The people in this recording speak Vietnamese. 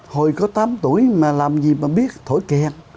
hồi có tám tuổi mà làm gì mà biết thổi kèn